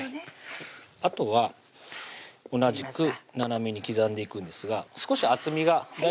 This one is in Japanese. あとは同じく斜めに刻んでいくんですが少し厚みが大事です